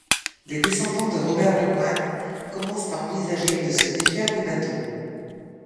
Les descendants de Robert Lemoine commencent à envisager de se défaire du bateau.